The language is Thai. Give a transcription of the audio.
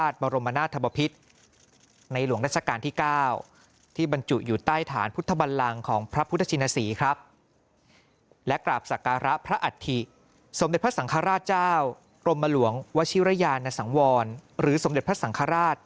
สังฆราชเจ้ารมรวงวชิรญาณสังวรหรือสมเด็จพระสังฆราช